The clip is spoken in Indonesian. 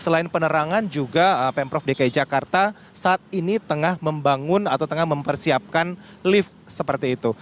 selain penerangan juga pemprov dki jakarta saat ini tengah membangun atau tengah mempersiapkan lift seperti itu